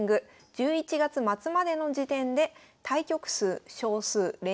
１１月末までの時点で対局数勝数連勝数